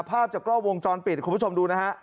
ภาพจากกล้องวงจรปิดคุณผู้ชมดูนะฮะ